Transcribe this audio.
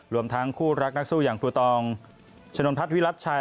รวมทั้งคู่รักนักสู้อย่างภูตองชะนนพัฒนวิรัติชัย